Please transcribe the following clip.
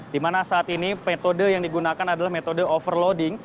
di mana saat ini metode yang digunakan adalah metode overloading